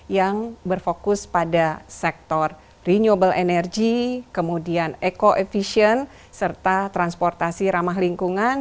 yang berfokus pada sektor renewable energy kemudian eco efisien serta transportasi ramah lingkungan